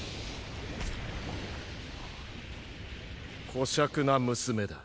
こしゃくな娘だ。